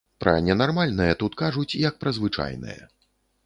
Пра ненармальнае тут кажуць, як пра звычайнае.